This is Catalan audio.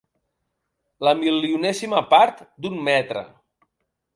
La milionèsima part d'un metre.